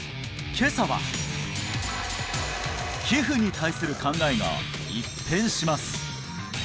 今朝は皮膚に対する考えが一変します